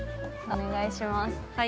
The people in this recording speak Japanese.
お願いします。